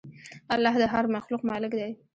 الله د هر مخلوق مالک دی.